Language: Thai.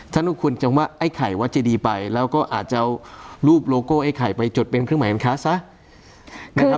ถ้าลูกคุณจำว่าไอ้ไข่วัดเจดีไปแล้วก็อาจจะเอารูปโลโก้ไอ้ไข่ไปจดเป็นเครื่องหมายการค้าซะนะครับ